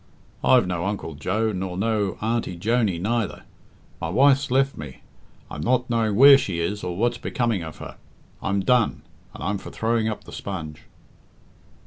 I've no Uncle Joe, nor no Auntie Joney neither. My wife's left me. I'm not knowing where she is, or what's becoming of her. I'm done, and I'm for throwing up the sponge."